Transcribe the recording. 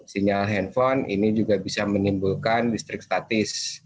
sinyal handphone ini juga bisa menimbulkan listrik statis